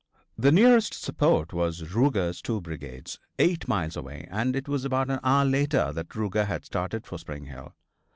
The nearest support was Ruger's two brigades, eight miles away, and it was about an hour later before Ruger had started for Spring Hill.